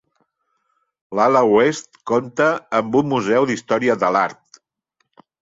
L'ala oest compta amb un Museu d'Història de l'Art.